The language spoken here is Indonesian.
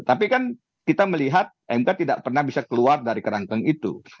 tapi kan kita melihat mk tidak pernah bisa keluar dari kerangkeng itu